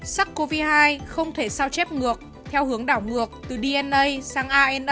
sars cov hai không thể sao chép ngược theo hướng đảo ngược từ dna sang rna giống như hiv và retrovirus để tiến hóa